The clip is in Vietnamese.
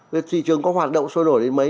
rồi thị trường có hoạt động sôi nổi đến mấy